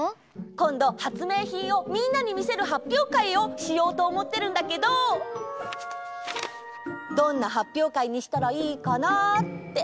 こんど発明品をみんなに見せるはっぴょうかいをしようとおもってるんだけどどんなはっぴょうかいにしたらいいかなって。